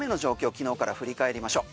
昨日から振り返りましょう。